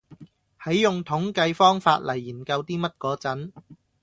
喺用統計方法嚟研究啲乜嗰陣